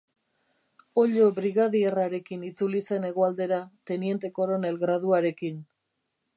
Ollo brigadierrarekin itzuli zen hegoaldera teniente koronel graduarekin.